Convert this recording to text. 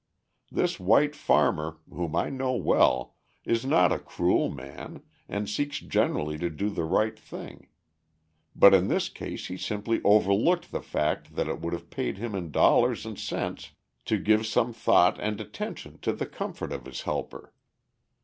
This white farmer, whom I know well, is not a cruel man and seeks generally to do the right thing; but in this case he simply overlooked the fact that it would have paid him in dollars and cents to give some thought and attention to the comfort of his helper.